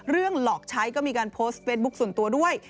หลอกใช้ก็มีการโพสต์เฟซบุ๊คส่วนตัวด้วย